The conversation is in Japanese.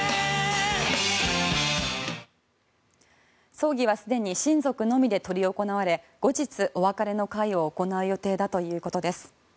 葬儀はすでに親族のみで執り行われ後日お別れの会を行う予定だということです。